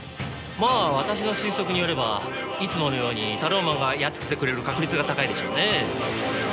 まあ私の推測によればいつものようにタローマンがやっつけてくれる確率が高いでしょうね。